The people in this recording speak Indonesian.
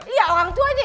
iya orang tuanya